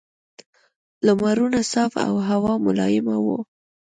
لمرونه صاف او هوا ملایمه وه.